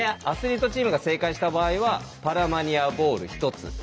アスリートチームが正解した場合はパラマニアボール１つ。